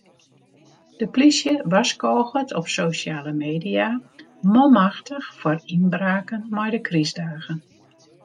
De polysje warskôget op sosjale media manmachtich foar ynbraken mei de krystdagen.